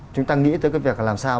chúng ta nghĩ tới cái việc làm sao